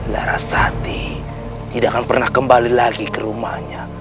larasati tidak akan pernah kembali lagi ke rumahnya